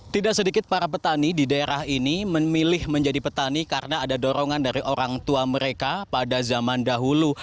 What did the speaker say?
tidak sedikit para petani di daerah ini memilih menjadi petani karena ada dorongan dari orang tua mereka pada zaman dahulu